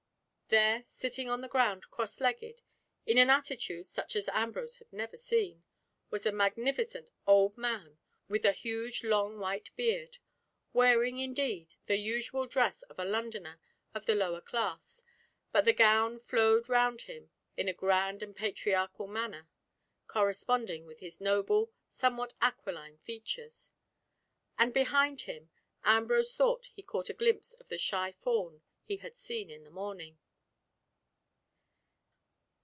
There, sitting on the ground cross legged, in an attitude such as Ambrose had never seen, was a magnificent old man, with a huge long white beard, wearing, indeed, the usual dress of a Londoner of the lower class, but the gown flowed round him in a grand and patriarchal manner, corresponding with his noble, somewhat aquiline features; and behind him Ambrose thought he caught a glimpse of the shy fawn he had seen in the morning.